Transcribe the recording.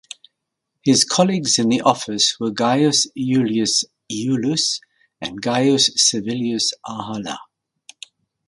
His colleagues in the office were Gaius Julius Iulus and Gaius Servilius Ahala.